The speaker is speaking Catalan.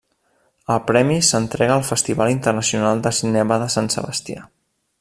El premi s'entrega al Festival Internacional de Cinema de Sant Sebastià.